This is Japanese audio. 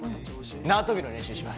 縄跳びの練習します。